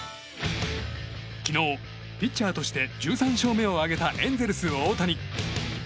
昨日、ピッチャーとして１３勝目を挙げたエンゼルス、大谷。